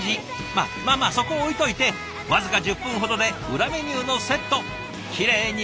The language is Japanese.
ままあまあそこは置いといて僅か１０分ほどで裏メニューのセットきれいに完食！